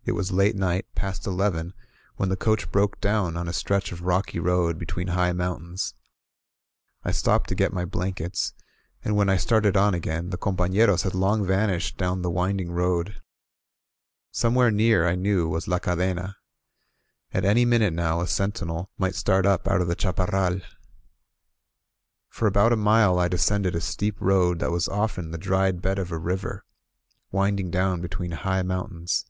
••." It was late night — ^past eleven — ^when the coach broke down on a stretch of rocky road between high moim tains. I stopped to get my blankets; and when I started on again, the compafieros had long vanished down the winding road. Somewhere near, I knew, was La Cadena. At any minute now a sentinel might start 67 INSURGENT MEXICO up out of the chaparral. For about a mile I de scended a steep road that was often the dried bed of a river, winding down between high mountains.